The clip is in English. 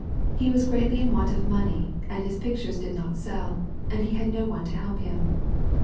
He was greatly in want of money, as his pictures did not sell, and he had no one to help him.